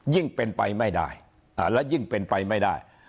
ยิ่งเป็นไปไม่ได้และยิ่งเป็นไปไม่ได้